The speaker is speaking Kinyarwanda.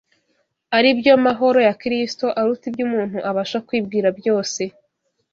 aribyo mahoro ya Kristo, aruta ibyo umuntu abasha kwibwira byose